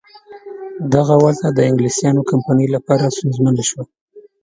دغه وضع د انګلیسیانو کمپنۍ لپاره سونسزمه شوه.